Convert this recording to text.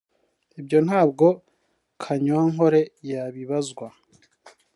ibyo ntabwo Kanyankole yabibazwa